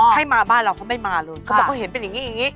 ให้มาบ้านเราเขาไม่มาเลยเขาบอกเขาเห็นเป็นอย่างนี้อย่างนี้